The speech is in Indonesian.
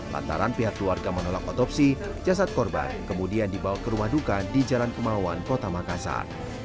lantaran pihak keluarga menolak otopsi jasad korban kemudian dibawa ke rumah duka di jalan kemauan kota makassar